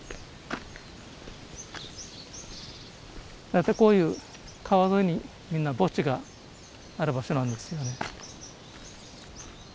大体こういう川沿いにみんな墓地がある場所なんですよね。